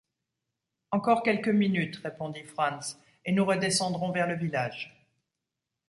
Encore quelques minutes, répondit Franz, et nous redescendrons vers le village.